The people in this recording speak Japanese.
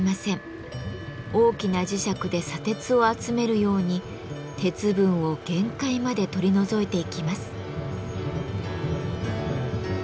大きな磁石で砂鉄を集めるように鉄分を限界まで取り除いていきます。